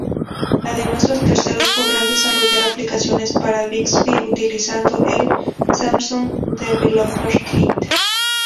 Además, los terceros podrán desarrollar aplicaciones para Bixby utilizando el Samsung Developer Kit.